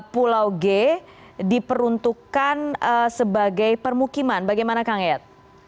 pulau g diperuntukkan sebagai permukiman bagaimana kang yayat